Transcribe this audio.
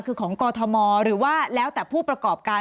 คือของกอทมหรือว่าแล้วแต่ผู้ประกอบการ